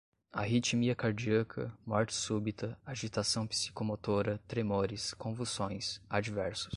arritmia cardíaca, morte súbita, agitação psicomotora, tremores, convulsões, adversos